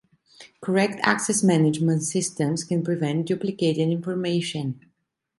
Correct access management systems can prevent duplicated information.